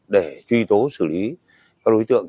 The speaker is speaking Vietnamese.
để truy tố xử lý các đối tượng